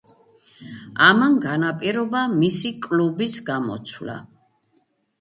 ამან განაპირობა მისი კლუბის გამოცვლა.